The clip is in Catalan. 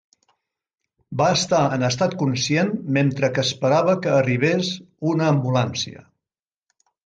Va estar en estat conscient mentre que esperava que arribés una ambulància.